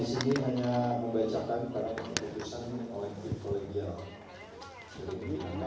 berikutnya akan disampaikan oleh pemimpinan kpk pak saul sigomora